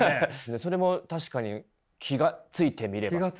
それも確かに気が付いてみればって。